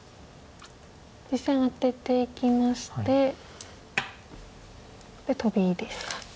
実戦アテていきましてでトビですか。